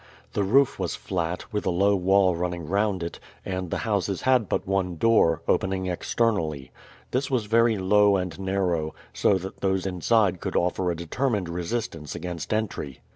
The roof was flat, with a low wall running round it, and the houses had but one door, opening externally. This was very low and narrow, so that those inside could offer a determined resistance against entry.